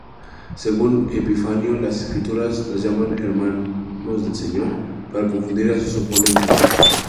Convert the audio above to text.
Según Epifanio, las Escrituras los llaman "hermanos del Señor" para confundir a sus oponentes.